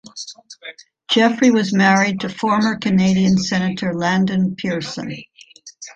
Geoffrey was married to former Canadian Senator Landon Pearson.